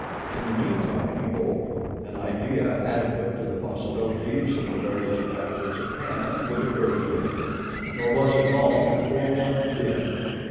In the meantime, he hoped, an idea adequate to the possibilities of the various factors at hand would occur to him. Nor was it long before one did.